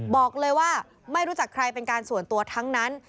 บอกเลยว่าไม่รู้จักใครเป็นการส่วนตัวทั้งนั้น